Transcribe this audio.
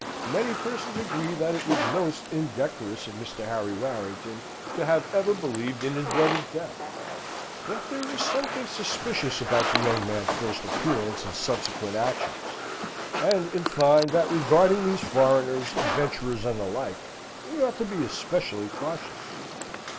Many persons agreed that it was most indecorous of Mr. Harry Warrington to have ever believed in his brother's death: that there was something suspicious about the young man's first appearance and subsequent actions, and, in fine, that regarding these foreigners, adventurers, and the like, we ought to be especially cautious.